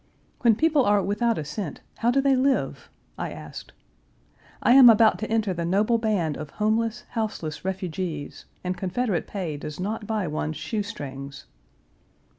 "When people are without a cent, how do they live?" I asked. "I am about to enter the noble band of homeless, houseless refugees, and Confederate pay does not buy one's shoe strings."